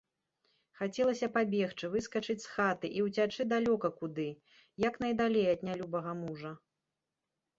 Хацелася пабегчы, выскачыць з хаты і ўцячы далёка куды, як найдалей ад нялюбага мужа.